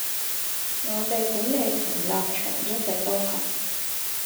我哋管理層立場一直都係